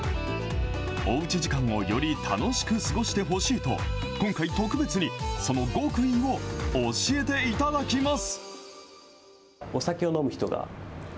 おうち時間をより楽しく過ごしてほしいと、今回、特別にその極意を教えていただきます。